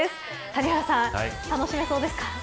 谷原さん楽しめそうですか。